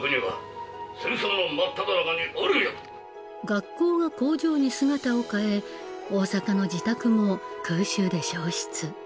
学校が工場に姿を変え大阪の自宅も空襲で焼失。